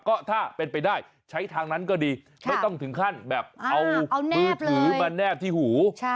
ก็ถ้าเป็นไปได้ใช้ทางนั้นก็ดีไม่ต้องถึงขั้นแบบเอามือถือมาแนบที่หู